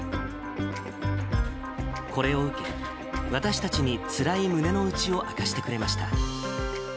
これを受け、私たちにつらい胸の内を明かしてくれました。